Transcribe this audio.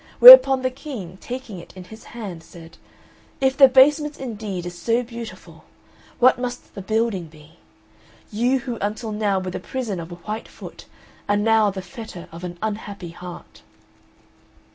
Whereupon the King, taking it in his hand, said, "If the basement, indeed, is so beautiful, what must the building be. You who until now were the prison of a white foot are now the fetter of an unhappy heart!"